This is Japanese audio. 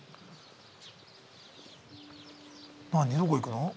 何どこ行くの？